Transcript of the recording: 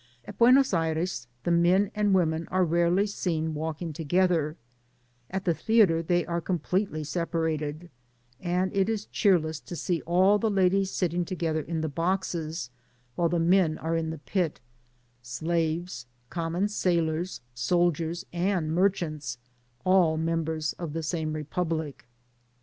At Buenos Aires the men and women are rarely seen walking together ; at the theatre they are com pletely separated ; and it is cheerless to see all the ladies sitting together in the boxes, while the men are in the pit, — slaves, common sailors, soldiers, and merchants, all members of the same republic.